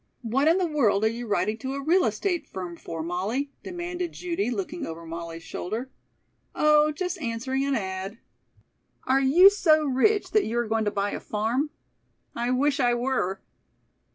"What in the world are you writing to a real estate firm for, Molly?" demanded Judy, looking over Molly's shoulder. "Oh, just answering an ad." "Are you so rich that you are going to buy a farm?" "I wish I were."